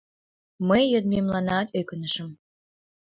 Мый йодмемланат ӧкынышым.